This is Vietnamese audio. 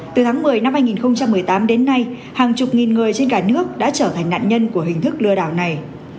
từ tháng một mươi năm hai nghìn một mươi tám đến nay hàng chục nghìn người trên cả nước đã trở thành nạn nhân của hình thức lừa đảo này